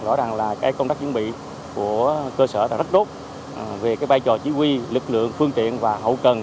rõ ràng là công tác chuẩn bị của cơ sở đã rất đốt về bài trò chỉ huy lực lượng phương tiện và hậu cần